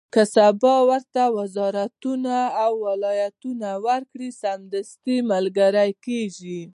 که سبا ورته وزارتونه او ولایتونه ورکړي، سمدستي ملګري کېږي.